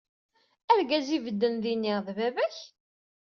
Arǧaz i bedden dinni d baba-kw